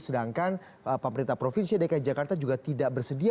sedangkan pemerintah provinsi dki jakarta juga tidak bersedia